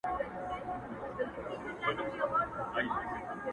• تر ماښامه پوري لویه هنگامه سوه ,